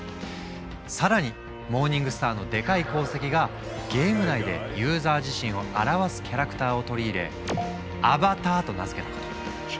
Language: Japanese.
更にモーニングスターのでかい功績がゲーム内でユーザー自身を表すキャラクターを取り入れアバターと名付けたこと。